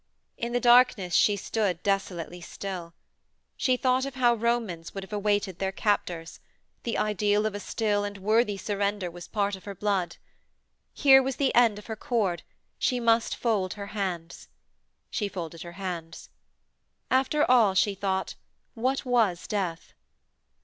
In the darkness she stood desolately still. She thought of how Romans would have awaited their captors: the ideal of a still and worthy surrender was part of her blood. Here was the end of her cord; she must fold her hands. She folded her hands. After all, she thought, what was death?